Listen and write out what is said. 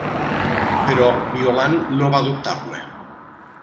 Però Violant no va dubtar-ne.